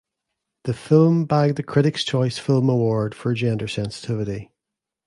The film bagged the Critics’ Choice film award for Gender Sensitivity.